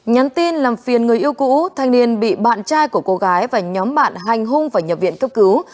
nhắn tin làm phiền người yêu cũ thanh niên bị bạn trai của cô gái và nhóm bạn hành hung và nhập viện cấp cứu